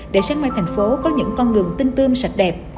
để sáng mai thành phố có những con đường tinh tương sạch đẹp